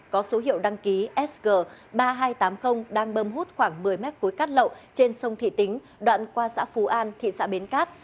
có số hiệu đăng ký sg ba nghìn hai trăm tám mươi đang bơm hút khoảng một mươi mét khối cát lậu trên sông thị tính đoạn qua xã phú an thị xã bến cát